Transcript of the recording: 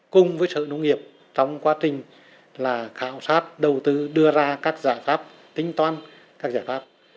cùng với sở nông nghiệp trong quá trình khảo sát đầu tư đưa ra các giải pháp tính toán các giải pháp